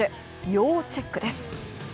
要チェックです。